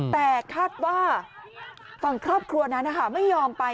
แต่คาดว่าฝั่งครอบครัวนั้นไม่ยอมไป